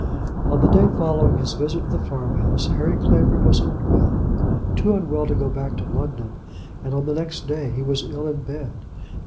On the day following his visit to the farm house, Harry Clavering was unwell, too unwell to go back to London; and on the next day he was ill in bed.